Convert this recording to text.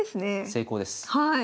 成功です。